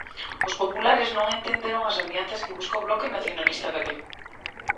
Os populares non entenden as alianzas que busca o Bloque Nacionalista Galego.